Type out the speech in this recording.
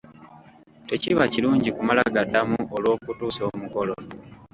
Tekiba kirungi kumala gaddamu olw'okutuusa omukolo!